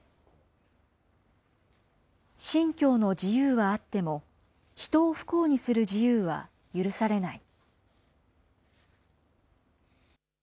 信教の自由はあっても、人を不幸にする自由は許されない。